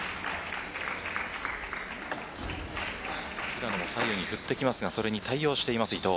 平野も左右に振ってきますがそれに対応しています、伊藤。